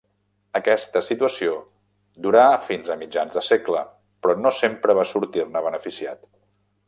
Aquesta situació durà fins a mitjans de segle, però no sempre va sortir-ne beneficiat.